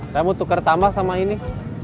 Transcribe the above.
saya mau tukar tambah sama ini